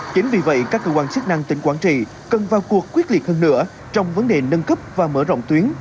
chính vì vậy các cơ quan chức năng tỉnh quảng trị cần vào cuộc quyết liệt hơn nữa trong vấn đề nâng cấp và mở rộng tuyến